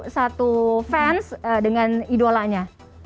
satu fans dengan idolanya